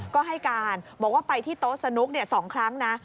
ก็ให้การบอกว่าไปที่โต๊ะสนุก๒ครั้งนะ